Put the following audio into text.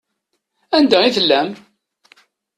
Anda i tellam?